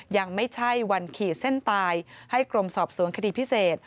ยังไม่ใช่วันขีดเส้นตายให้กรมสอบสวนคดีพิเศษ